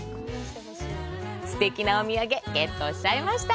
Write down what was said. すてきなお土産ゲットしちゃいました。